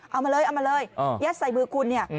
เอามาเลยเอามาเลยยัดใส่มือคุณเนี่ย